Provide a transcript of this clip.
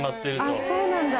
そうなんだ。